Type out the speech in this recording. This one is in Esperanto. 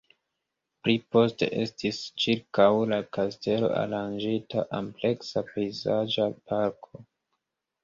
Pli poste estis ĉirkaŭ la kastelo aranĝita ampleksa pejzaĝa parko.